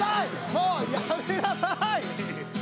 もうやめなさい！